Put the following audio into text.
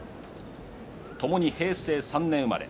ともに平成３年生まれ。